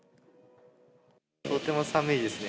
とても寒いですね。